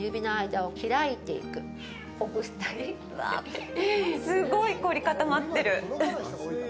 うわあ、すごい凝り固まってる。